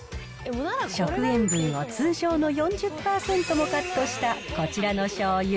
食塩分を通常の４０％もカットしたこちらの醤油。